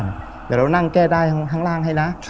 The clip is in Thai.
เดี๋ยวเรานั่งแก้ได้ข้างล่างให้นะ